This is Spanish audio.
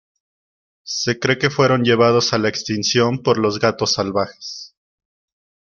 Se cree que fueron llevados a la extinción por los gatos salvajes.